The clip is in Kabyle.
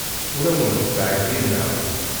Ur awent-ttɛeyyineɣ.